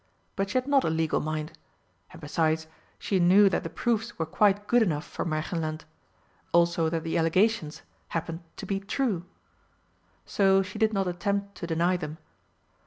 But she had not a legal mind; and besides she knew that the proofs were quite good enough for Märchenland also that the allegations happened to be true. So she did not attempt to deny them.